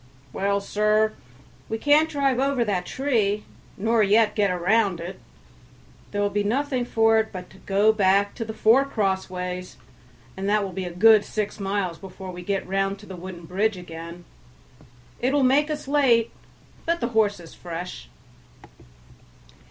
"Well, sir, we can't drive over that tree, nor yet get round it; there will be nothing for it, but to go back to the four crossways, and that will be a good six miles before we get round to the wooden bridge again; it will make us late, but the horse is fresh."